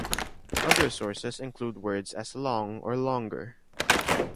Other sources include words as long or longer.